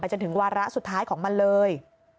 จนถึงวาระสุดท้ายของมันเลย